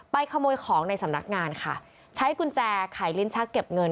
ขโมยของในสำนักงานค่ะใช้กุญแจไขลิ้นชักเก็บเงิน